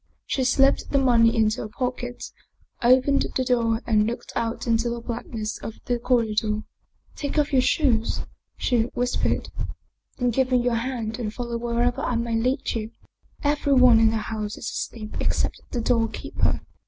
She slipped the money into her pocket, opened the door and looked out into the blackness of the corridor. " Take off your shoes," she whispered. " Then give me your hand and follow wherever I may lead you. Every one in the house is asleep except the doorkeeper."